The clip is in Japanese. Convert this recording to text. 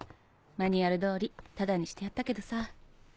マニュアル通りタダにしてやったけどさ。